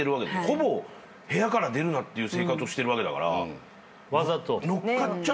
ほぼ部屋から出るなって生活をしてるわけだから。わざと？